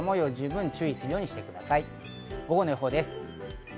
午後の予報です。